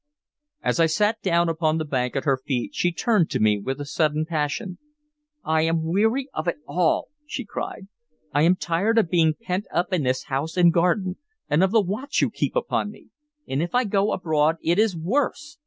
As I sat down upon the bank at her feet, she turned to me with a sudden passion. "I am weary of it all!" she cried. "I am tired of being pent up in this house and garden, and of the watch you keep upon me. And if I go abroad, it is worse!